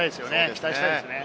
期待したいですね。